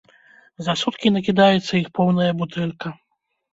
За суткі накідаецца іх поўная бутэлька.